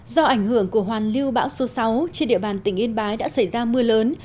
do ảnh hưởng của hoàn lưu bão số sáu trên địa bàn tỉnh yên bái đã xảy ra mưa lớn